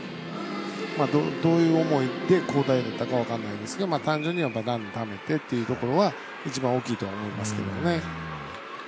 どういう思いで交代だったかは分からないですが単純にランナーためてっていうところは一番大きいと思いますけどね。